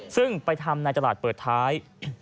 ซึ่งไปทำในจังหลักเปิดท้าย